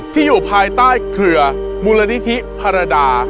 ที่อยู่ภายใต้เครือมูลนิธิภารดา